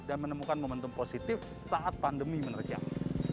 dan menemukan momentum positif saat pandemi menerjang